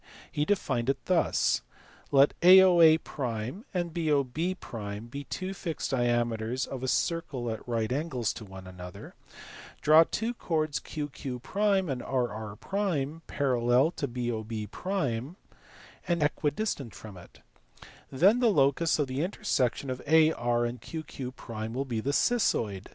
He defined it thus: let AOA and BOB be two fixed diameters of a circle at right angles to one another. Draw two chords QQ and RR parallel to BOB and equidistant from it. Then the locus of the inter section of AR and QQ will be the cissoid.